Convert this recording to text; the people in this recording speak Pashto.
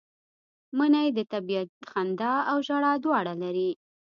منی د طبیعت خندا او ژړا دواړه لري